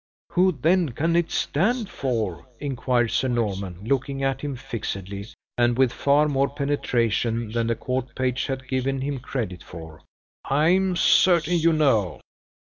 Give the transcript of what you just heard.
"Who then can it stand for?" inquired Sir Norman, looking at him fixedly, and with far more penetration than the court page had given him credit for. "I am certain you know."